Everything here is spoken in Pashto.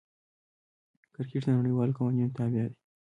کرکټ د نړۍوالو قوانینو تابع دئ.